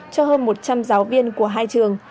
cho hơn một trăm linh giáo viên của hai trường